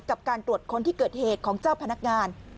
กับการตรวจค้นที่เกิดเหตุของเจ้าพนักงาน